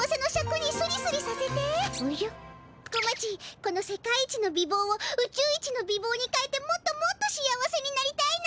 小町この世界一の美ぼうをうちゅう一の美ぼうにかえてもっともっと幸せになりたいの。